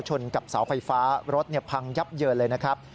กับเสาไฟฟ้ารถพังยับเยินเลยนะครับ